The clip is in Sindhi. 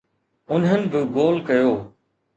انهن به گول ڪيو.